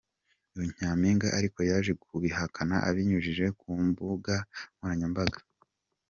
Uyu Nyampinga ariko yaje kubihakana abinyujije ku mbuga nkoranyambaga.